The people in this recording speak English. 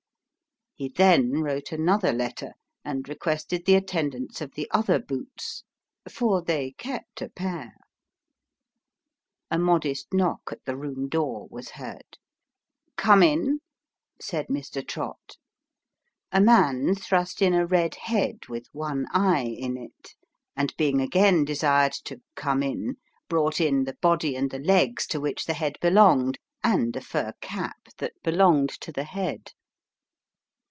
He then wrote another letter, and requested the attendance of the other boots for they kept a pair. A modest knock at the room door was heard. " Come in," said Mr. Trott. A man thrust in a red head with one eye in it, and being again desired to " come in," brought in the body and Mr. Trott bribes the Boots. 309 the legs to which the head belonged, and a fur cap which belonged to the head.